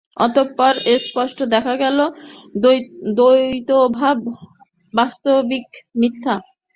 অতএব স্পষ্টই দেখা গেল, দ্বৈতভাব বাস্তবিক মিথ্যা।